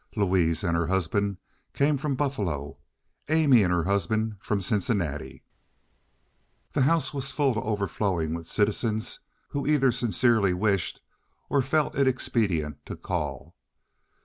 Louise and her husband came from Buffalo; Amy and her husband from Cincinnati. The house was full to overflowing with citizens who either sincerely wished or felt it expedient to call.